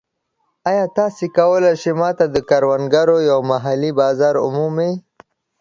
ایا تاسو کولی شئ ما ته د کروندګرو یو محلي بازار ومومئ؟